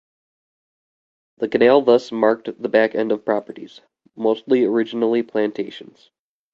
The canal thus marked the back end of properties, mostly originally plantations.